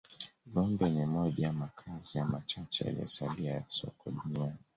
Gombe ni moja ya makazi ya machache yaliyosalia ya Sokwe duniani